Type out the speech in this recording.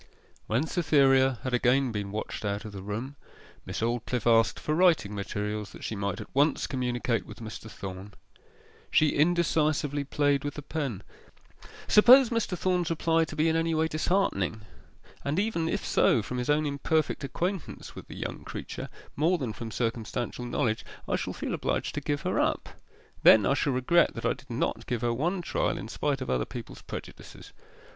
When Cytherea had again been watched out of the room, Miss Aldclyffe asked for writing materials, that she might at once communicate with Mr. Thorn. She indecisively played with the pen. 'Suppose Mr. Thorn's reply to be in any way disheartening and even if so from his own imperfect acquaintance with the young creature more than from circumstantial knowledge I shall feel obliged to give her up. Then I shall regret that I did not give her one trial in spite of other people's prejudices.